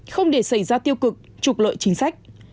không để xảy ra tiêu cực trục lợi chính sách